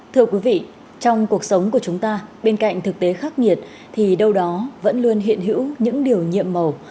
thưa quý vị trong cuộc sống của chúng ta bên cạnh thực tế khắc nghiệt thì đâu đó vẫn luôn hiện hữu những điều nhiệm màu